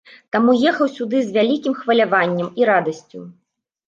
Таму ехаў сюды з вялікім хваляваннем і радасцю.